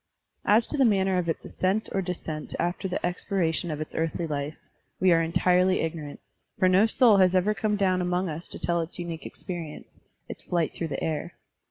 As to the manner of its ascent or descent after the expiration of its earthly life, we are entirely ignorant, for no soul has ever come down among us to tell its unique experience, its flight through the air.